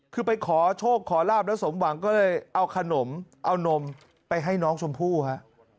คือไปขอโชคขอลาบแล้วสมหวังก็เลยเอาขนมเอานมไปให้น้องชมพู่ฮะ